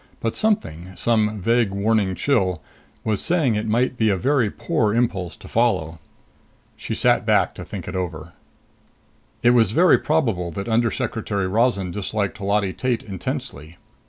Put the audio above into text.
But something, some vague warning chill, was saying it might be a very poor impulse to follow. She sat back to think it over. It was very probable that Undersecretary Rozan disliked Holati Tate intensely.